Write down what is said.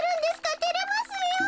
てれますよ。